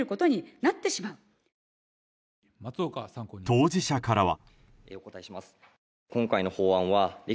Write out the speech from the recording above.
当事者からは。